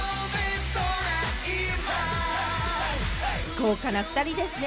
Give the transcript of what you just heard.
豪華な２人ですね。